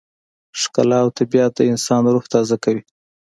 ښکلا او طبیعت د انسان روح تازه کوي.